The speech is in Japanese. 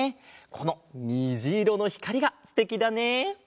このにじいろのひかりがすてきだね！